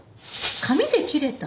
紙で切れた？